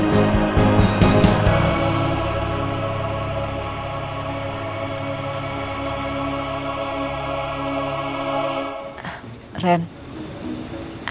aku akan mencintai kamu